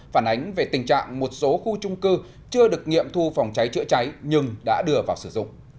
phản ánh về tình trạng một số khu trung cư chưa được nghiệm thu phòng cháy chữa cháy nhưng đã đưa vào sử dụng